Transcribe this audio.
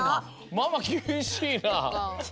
ママきびしいな！